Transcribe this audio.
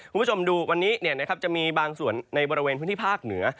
คุณผู้ชมดูวันนี้จะมีบางส่วนในบริเวณพื้นที่ภาคเหนือ